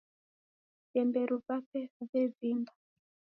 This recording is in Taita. Vitemberu vape vevimba.